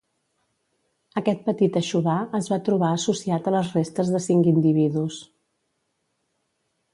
Aquest petit aixovar es va trobar associat a les restes de cinc individus.